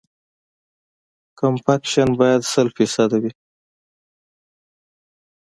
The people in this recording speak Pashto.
کمپکشن باید سل فیصده وي